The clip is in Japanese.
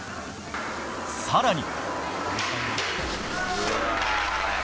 更に。